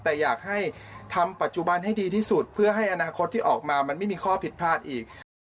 แต่อยากให้ทำปัจจุบันให้ดีที่สุดเพื่อให้อนาคตที่ออกมามันไม่มีข้อผิดพลาดอีกนะครับ